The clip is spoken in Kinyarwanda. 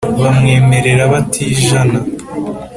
bamwemerera batijana